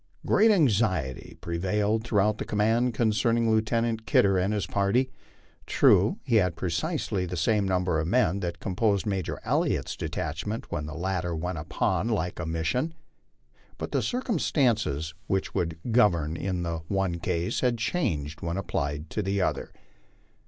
Great anxiety prevailed throughout the command concerning Lieutenant Kidder and his party. True, he had precisely the same number of men that composed Major Elliott's detachment when the latter went upon a like mission, but the circumstances which would govern in the one case had changed when applied to the other.